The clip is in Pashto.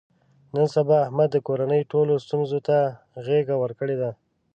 نن سبا احمد د کورنۍ ټولو ستونزو ته غېږه ورکړې ده.